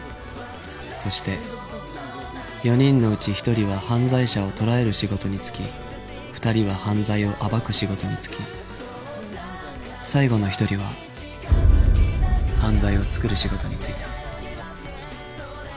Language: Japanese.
そして４人のうち１人は犯罪者を捕らえる仕事に就き２人は犯罪を暴く仕事に就き最後の１人は犯罪を作る仕事に就いた。